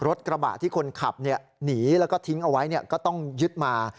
รถกระบะที่คนขับหนีแล้วก็ทิ้งเอาไว้ก็ต้องยึดมา